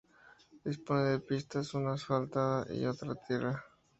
Dispone de pistas, una asfaltada y otra de tierra.